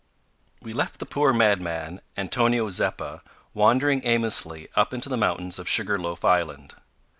We left the poor madman, Antonio Zeppa, wandering aimlessly up into the mountains of Sugar loaf Island.